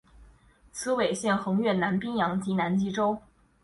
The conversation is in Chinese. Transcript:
此纬线横越南冰洋及南极洲。